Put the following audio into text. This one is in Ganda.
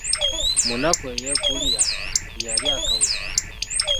Munaku eyeegulira, yaalya akawera.